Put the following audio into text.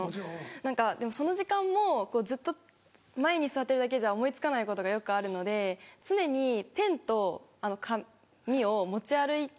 何かでもその時間もずっと前に座ってるだけじゃ思い付かないことがよくあるので常にペンと紙を持ち歩いて。